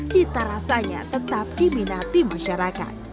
cita rasanya tetap diminati masyarakat